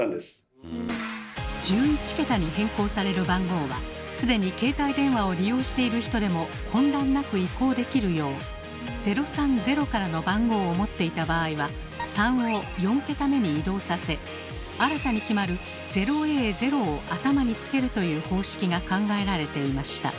１１桁に変更される番号は既に携帯電話を利用している人でも混乱なく移行できるよう「０３０」からの番号を持っていた場合は「３」を４桁目に移動させ新たに決まる「０ａ０」を頭につけるという方式が考えられていました。